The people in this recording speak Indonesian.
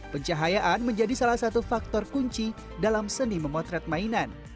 pencahayaan menjadi salah satu faktor kunci dalam seni memotret mainan